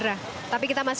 gak ada p mistress